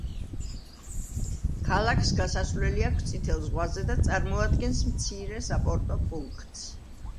ქალაქს გასასვლელი აქვს წითელ ზღვაზე და წარმოადგენს მცირე საპორტო პუნქტს.